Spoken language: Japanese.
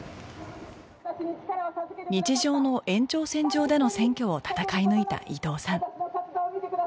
日常の延長線上での選挙を戦い抜いた伊藤さん